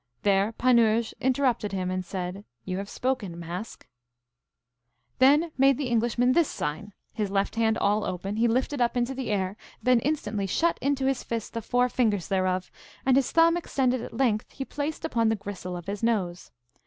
There Panurge interrupted him, and said, You have spoken, Mask. Then made the Englishman this sign. His left hand all open he lifted up into the air, then instantly shut into his fist the four fingers thereof, and his thumb extended at length he placed upon the gristle of his nose.